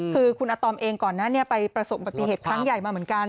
คือคุณอาตอมเองก่อนนั้นไปประสบปฏิเหตุครั้งใหญ่มาเหมือนกัน